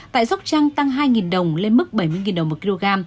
tại sóc trăng tăng hai đồng lên mức bảy mươi đồng một kg